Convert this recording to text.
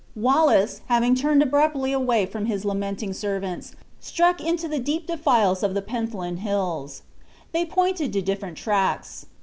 Wallace, having turned abruptly away from his lamenting servants, struck into the deep defiles of the Pentland Hills. They pointed to different tracks.